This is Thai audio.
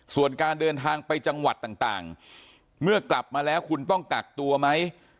ส่วนการเดินทางไปจังหวัดต่างเมื่อกลับมาแล้วคุณต้องกักตัวไหม